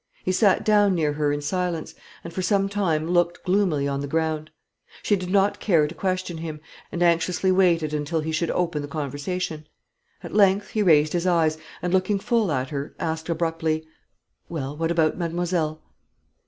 He sate down near her in silence, and for some time looked gloomily on the ground. She did not care to question him, and anxiously waited until he should open the conversation. At length he raised his eyes, and, looking full at her, asked abruptly "Well, what about mademoiselle?"